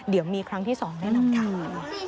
เดี๋ยวมีครั้งที่๒แน่นอนค่ะ